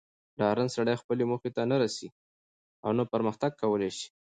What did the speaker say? ډارن سړئ خپلي موخي ته نه سي رسېدلاي اونه پرمخ تګ کولاي سي